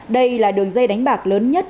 đây là đường dây đánh bạc lớn nhất